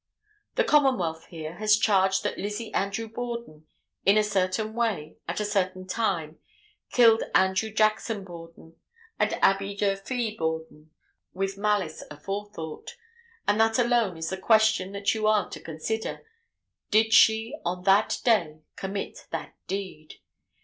The commonwealth here has charged that Lizzie Andrew Borden, in a certain way, at a certain time, killed Andrew Jackson Borden and Abby Durfee Borden with malice aforethought. And that alone is the question that you are to answer: Did she on that day commit that deed?